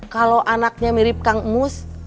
kalau anaknya mirip kang mus